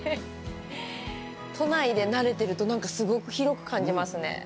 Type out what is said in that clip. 都内で慣れてるとすごく広く感じますね。